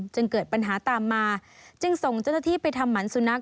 จึงเกิดปัญหาตามมาจึงส่งเจ้าหน้าที่ไปทำหมันสุนัข